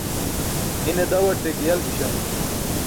ine dawṭe giyal biśamo